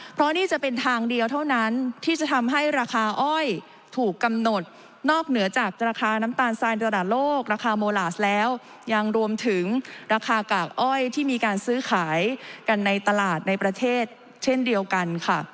เพราะนี่จะเป็นทางเดียวเท่านั้นที่จะทำให้ราคาอ้อยถูกกำหนดนอกเหนือจากราคาน้ำตาลทรายเดอร์ตลาดโลกราคาโมลาสแล้วยังรวมถึงราคากากอ้อยที่มีการซื้อขายกันในตลาดในประเทศเช่นเดียวกันค่ะ